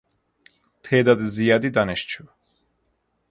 تعداد زیادی دانشجو